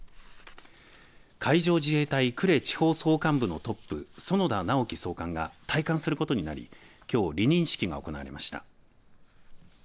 海上自衛隊呉地方総監部のトップ園田直紀総監が退官することになりきょう離任式が行われました。